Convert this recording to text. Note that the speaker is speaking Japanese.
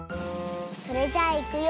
それじゃあいくよ。